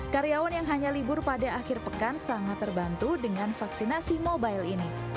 karyawan yang hanya libur pada akhir pekan sangat terbantu dengan vaksinasi mobile ini